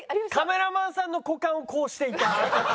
カメラマンさんの股間をこうしていた。